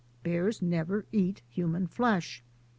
Bears never eat human flesh.